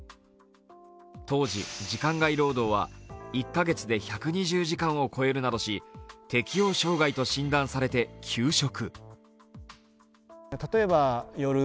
当時、時間外労働は１カ月に１２０時間を超えるなどし適応障害と診断されて休職。